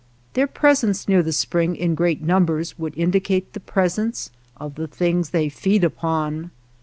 Their presence near the spring in great numbers would indicate the presence of the things they feed upon.